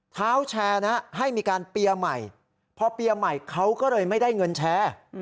เท้าแชร์นะให้มีการเปียร์ใหม่พอเปียร์ใหม่เขาก็เลยไม่ได้เงินแชร์